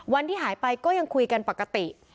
วันที่หายไปก็ยังคุยกันปกติ